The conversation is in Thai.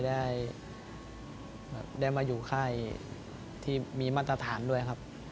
ได้มาอยู่ค่ายที่มีมาตรฐานด้วยครับ